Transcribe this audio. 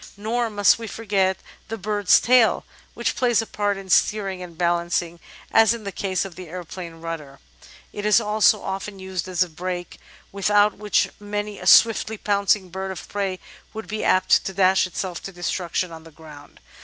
Nor must we forget the bird's tail, which plays a part in steering and balancing as in the case of the aeroplane rudder; it is also often used as a brake, without which many a swiftly pouncing bird of prey would be apt to dash itself to destruction on the ground.